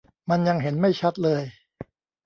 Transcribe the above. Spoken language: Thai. มันยังเห็นไม่ชัดเลย